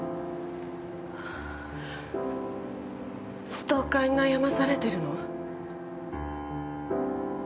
ストーカーに悩まされてるの。